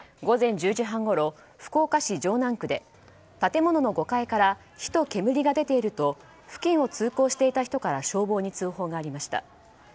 午前１０時半ごろ福岡市城南区で建物の５階から火と煙が出ていると付近を通行していた人から消防に通報がありました。